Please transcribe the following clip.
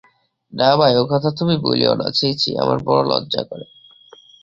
না ভাই, ও কথা তুমি বলিয়ো না–ছি ছি, আমার বড়ো লজ্জা করে।